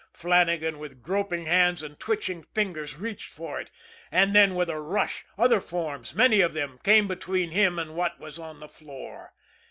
Flannagan, with groping hands and twitching fingers, reached for it and then, with a rush, other forms, many of them, came between him and what was on the floor.